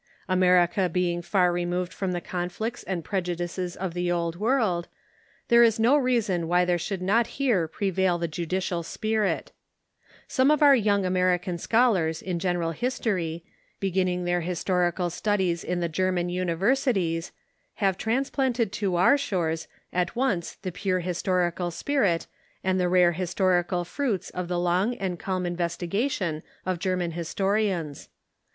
America being far removed from the conflicts and prejudices of the Old World, there is no reason why there should not here prevail the judicial spirit. Some of our young American scholars in general history, Influence of Germa ''.=.,.,..,?'..^^" ny on American beginning their Jiistorical Studies in the Grer Histonography ^^^^^^ universities, have transplanted to our shores at once the pure historical spirit and the rare historical fruits of the long and calm investigation of German historians.